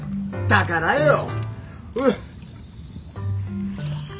だからよ。